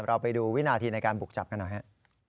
เราไปดูวินาทีในการบุกจับกันหน่อย